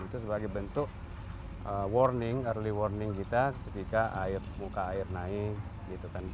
itu sebagai bentuk warning early warning kita ketika air muka air naik gitu kan